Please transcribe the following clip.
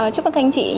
chúc các anh chị